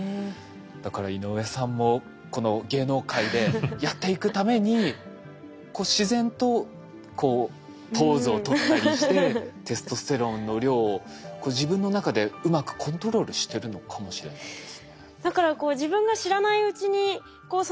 だから井上さんもこの芸能界でやっていくために自然とこうポーズをとったりしてテストステロンの量を自分の中でうまくコントロールしてるのかもしれないですね。